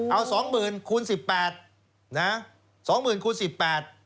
เอาสองหมื่นคูณสิบแปดนะสองหมื่นคูณสิบแปด